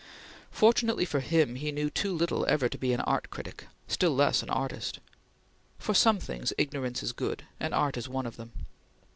Fortunately for him he knew too little ever to be an art critic, still less an artist. For some things ignorance is good, and art is one of them.